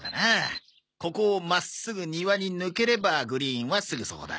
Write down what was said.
ここを真っすぐ庭に抜ければグリーンはすぐそこだ。